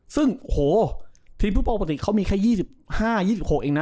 ซึ่งโหทีมผู้ปกติเขามีแค่๒๕๒๖เองนะ